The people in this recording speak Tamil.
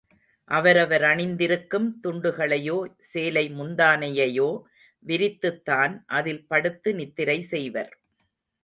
அவரவர் அணிந்திருக்கும் துண்டுகளையோ, சேலை முந்தானையையோ விரித்துத் தான், அதில் படுத்து நித்திரை செய்வர்.